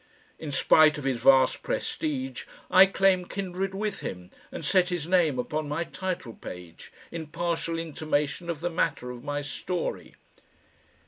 In spite of his vast prestige I claim kindred with him and set his name upon my title page, in partial intimation of the matter of my story.